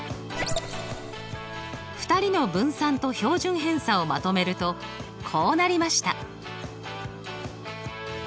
２人の分散と標準偏差をまとめるとこうなりました。